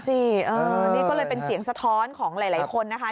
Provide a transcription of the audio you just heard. นี่ก็เลยเป็นเสียงสะท้อนของหลายคนนะคะ